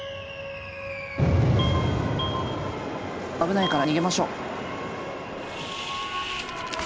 危ないから逃げましょう。